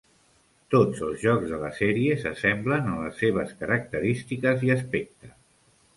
Tots els jocs de la sèrie s'assemblen en les seves característiques i aspecte.